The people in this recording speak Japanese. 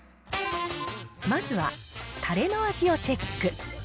まずは、たれの味をチェック。